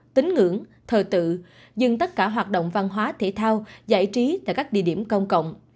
tính ngưỡng thờ tự dừng tất cả hoạt động văn hóa thể thao giải trí tại các địa điểm công cộng